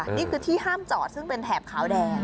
นี่คือที่ห้ามจอดซึ่งเป็นแถบขาวแดง